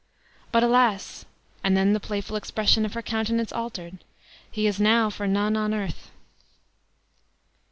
But, alas!" and then the playful expression of her countenance altered, "he is now for none on earth!"